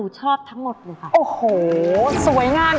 ช่วยฝังดินหรือกว่า